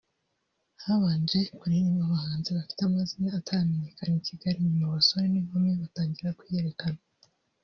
habanje kuririmba abahanzi bafite amazina ataramenyekana i Kigali nyuma abasore n’inkumi batangira kwiyerekana